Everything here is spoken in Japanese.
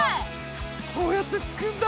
こうやってつくんだ。